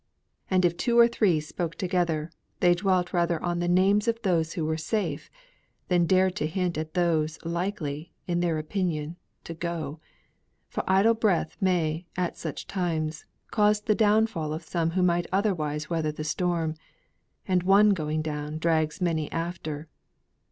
And if two or three spoke together, they dwelt rather on the names of those who were safe than dared to hint at those likely, in their opinion, to go: for idle breath may, at such times, cause the downfall of some who might otherwise weather the storm; and one going down drags many after.